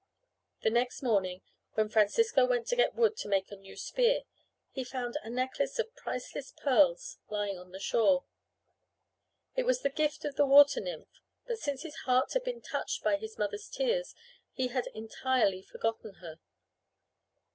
The next morning when Francisco went to get wood to make a new spear, he found a necklace of priceless pearls lying on the shore. It was the gift of the water nymph, but since his heart had been touched by his mother's tears he had entirely forgotten her.